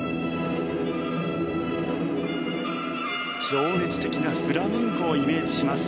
情熱的なフラミンゴをイメージします。